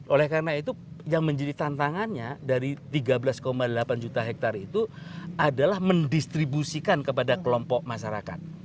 oleh karena itu yang menjadi tantangannya dari tiga belas delapan juta hektare itu adalah mendistribusikan kepada kelompok masyarakat